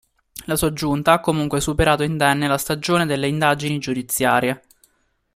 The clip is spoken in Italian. La sua giunta ha comunque superato indenne la stagione delle indagini giudiziarie.